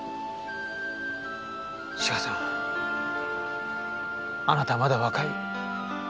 志賀さんあなたはまだ若い。